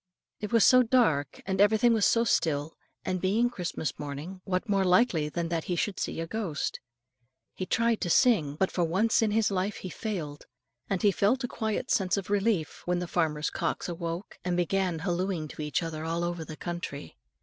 It was so dark, and everything was so still, and being Christmas morning, what more likely than that he should see a ghost. He tried to sing, but for once in his life he failed; and he felt quite a sense of relief when the farmer's cocks awoke, and began hallooing to each other all over the country.